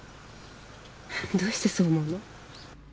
どうしてそう思うの？